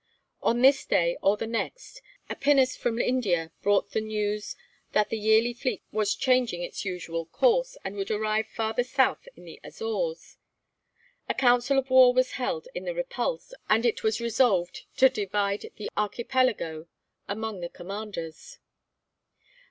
On this day or the next a pinnace from India brought the news that the yearly fleet was changing its usual course, and would arrive farther south in the Azores. A council of war was held in the 'Repulse,' and it was resolved to divide the archipelago among the commanders.